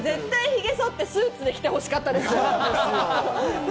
ひげ剃って、スーツで来てほしかったです。